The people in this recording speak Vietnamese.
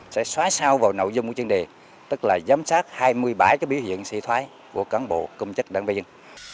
dùng một chương đề tức là giám sát hai mươi bảy cái biểu hiện xị thoái của cán bộ công chức đảng viên